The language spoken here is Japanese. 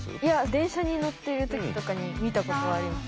電車に乗っている時とかに見たことあります。